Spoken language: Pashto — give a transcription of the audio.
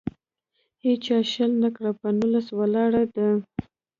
هیچا شل نه کړله. په نولس ولاړه ده.